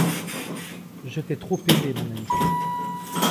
Je t’ai trop aimé, mon ami.